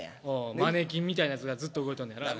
マネキンみたいなやつがずっと動いとんのやなあれ。